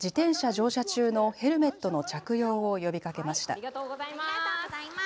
乗車中のヘルメットの着用を呼びかけました。